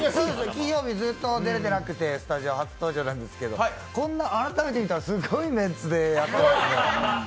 金曜日、ずっとでられてなくてスタジオ初登場ですけどこんな改めて見たらすごいメンツでやってますね。